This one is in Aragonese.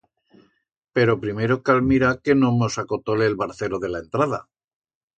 Pero primero cal mirar que no mos acotole el barcero de la entrada.